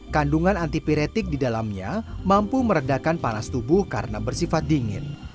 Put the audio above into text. kandungan antipiretik di dalamnya mampu meredakan panas tubuh karena bersifat dingin